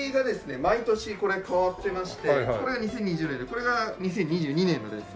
毎年これ変わってましてこれが２０２０年でこれが２０２２年のですね。